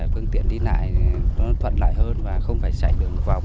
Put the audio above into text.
phương tiện đi lại thì nó thuận lại hơn và không phải chạy đường vòng